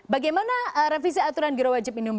bagaimana revisi aturan giro wajib minimum